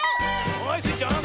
はいスイちゃん。